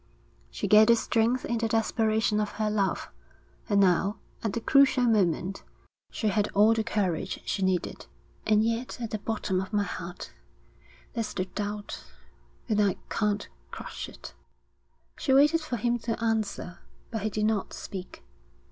She gathered strength in the desperation of her love, and now at the crucial moment she had all the courage she needed. 'And yet at the bottom of my heart there's the doubt. And I can't crush it.' She waited for him to answer, but he did not speak.